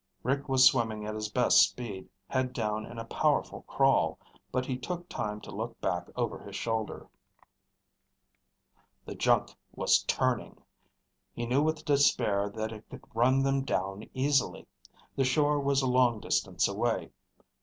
Rick was swimming at his best speed, head down in a powerful crawl, but he took time to look back over his shoulder. The junk was turning! He knew with despair that it could run them down easily. The shore was a long distance away.